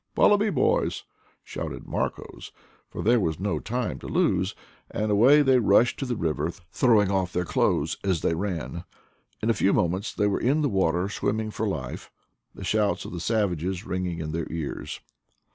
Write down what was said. "Follow me, boys!" shouted Marcos, for there was no time to lose, and away they rushed to the river, throw ing off their clothes as they ran. In a few mo ments they were in the water swimming for life, the shouts of the savages ringing in their ears.